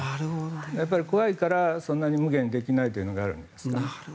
やっぱり怖いからそんなに無下にできないというのがあるんですね。